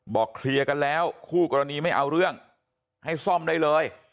เคลียร์กันแล้วคู่กรณีไม่เอาเรื่องให้ซ่อมได้เลย